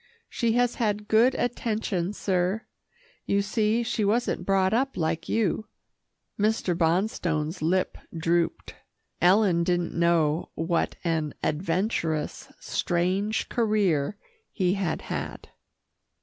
She has had good attention, sir. You see she wasn't brought up like you." Mr. Bonstone's lip drooped. Ellen didn't know what an adventurous, strange career he had had.